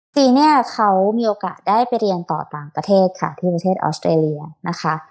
จีนเนี่ยเขามีโอกาสได้ไปเรียนต่อต่างประเทศค่ะที่ประเทศออสเตรเลียนะคะ